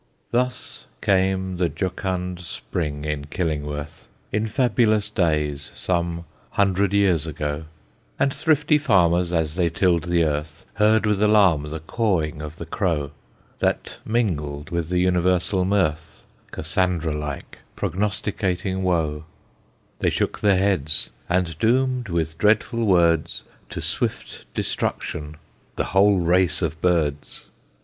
Thus came the jocund Spring in Killingworth, In fabulous days, some hundred years ago; And thrifty farmers, as they tilled the earth, Heard with alarm the cawing of the crow, That mingled with the universal mirth, Cassandra like, prognosticating woe; They shook their heads, and doomed with dreadful words To swift destruction the whole race of birds.